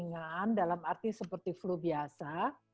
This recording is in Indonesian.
mungkin gejalanya ringan dalam arti seperti flu biasa